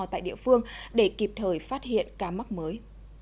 tại địa phương để kịp thời phát hiện ca mắc mới